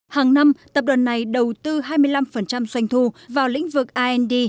hàng năm tập đoàn này đầu tư hai mươi năm doanh thu vào lĩnh vực ind